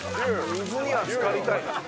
水にはつかりたい。